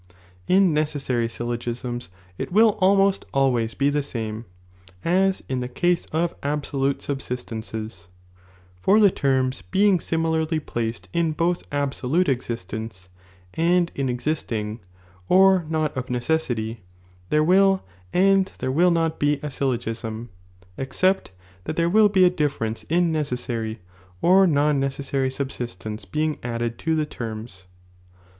In necessary ayllogisiaB it will •yiinaiBmB re almost always be the same, as in the case of abso «n™ihi^'"" '"^"^ Bubsiatencea,' for the terms being similarly which an Bbio placed in both absolute existence, and in existing, or not of necessity, thero will and there will not be a syllogism, except that there will be a difference in neces sary or non necessary subsistence being added to the terms.